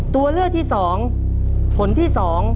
ตัวเลือกที่๒ผลที่๒